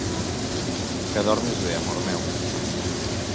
Que dormis bé, amor meu.